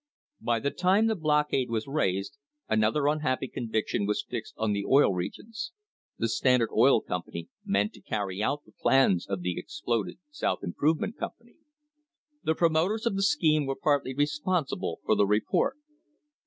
By the time the blockade was raised, another unhappy conviction was fixed on the Oil Regions — the Standard Oil Company meant to carry out the plans of the exploded South Improvement Company. The promoters of the scheme were partly responsible for the report.